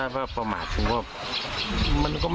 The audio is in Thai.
ยากระตุ้นผลัง